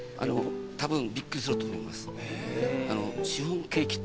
たぶんびっくりすると思います。